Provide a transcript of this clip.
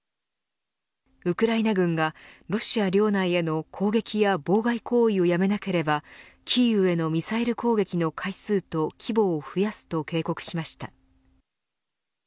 ウクライナ軍がロシア領内への攻撃や妨害行為をやめなければキーウへのミサイル攻撃の回数と規模を増やすと警告しました。